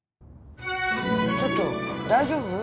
ちょっと大丈夫？